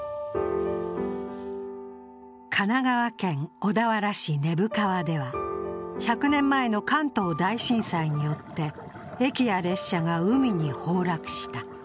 神奈川県小田原市根府川では１００年前の関東大震災によって駅や列車が海に崩落した。